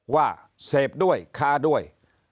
ว่าเสพด้วยค้าด้วย